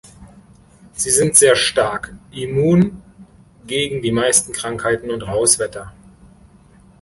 Sie sind sehr stark, immun gegen die meisten Krankheiten und raues Wetter.